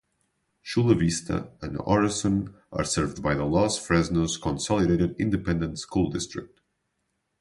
Chula Vista and Orason are served by the Los Fresnos Consolidated Independent School District.